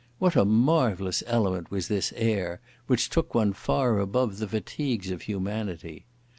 What a marvellous element was this air, which took one far above the fatigues of humanity!